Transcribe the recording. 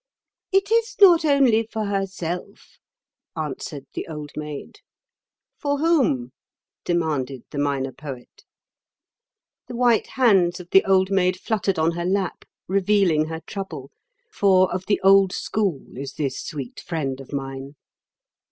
"It is not only for herself," answered the Old Maid. "For whom?" demanded the Minor Poet. The white hands of the Old Maid fluttered on her lap, revealing her trouble; for of the old school is this sweet friend of mine.